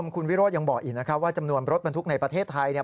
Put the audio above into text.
คุณวิโรธยังบอกอีกว่าจำนวนรถบรรทุกในประเทศไทย